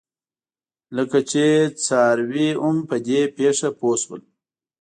لکه چې څاروي هم په دې پېښه پوه شول.